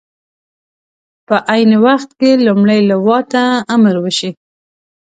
په عین وخت کې لومړۍ لواء ته امر وشي.